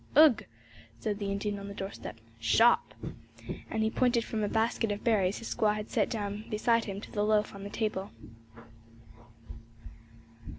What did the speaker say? "Ugh!" said the Indian on the doorstep, "shawp!" and he pointed from a basket of berries his squaw had set down beside him to the loaf on the table.